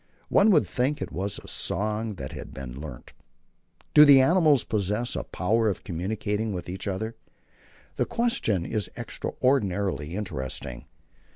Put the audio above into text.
One would think it was a song that had been learnt. Do these animals possess a power of communicating with each other? The question is extraordinarily interesting.